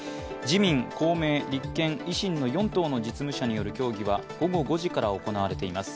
自民、公明、立憲、維新の４党の実務者による協議は午後５時から行われています。